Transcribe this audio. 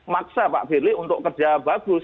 maksa pak firly untuk kerja bagus